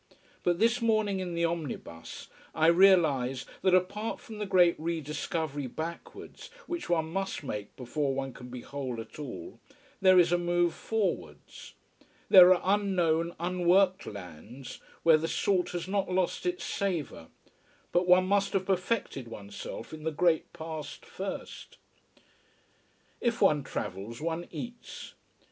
But this morning in the omnibus I realize that, apart from the great rediscovery backwards, which one must make before one can be whole at all, there is a move forwards. There are unknown, unworked lands where the salt has not lost its savour. But one must have perfected oneself in the great past first. If one travels one eats.